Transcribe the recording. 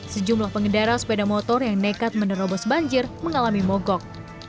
sejumlah pengendara sepeda motor yang nekat menerobos banjir mengalami mogok